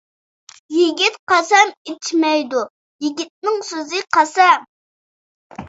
يىگىت قەسەم ئىچمەيدۇ، يىگىتنىڭ سۆزى قەسەم.